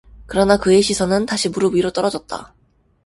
그러나 그의 시선은 다시 무릎 위로 떨어졌다.